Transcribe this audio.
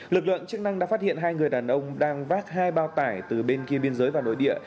lực lượng chức năng đã phát hiện hai người đàn ông đang vác hai bao tải từ bên kia biên giới vào nội địa